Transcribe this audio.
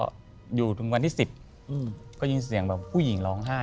จากนี้ก็ยินเสียงจากผู้หญิงร้องไห้